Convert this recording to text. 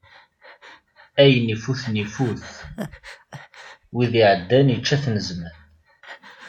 Ayen ifuten ifut, wid iɛeddan yeǧǧa-ten zzman.